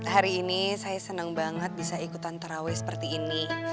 hari ini saya senang banget bisa ikutan taraweh seperti ini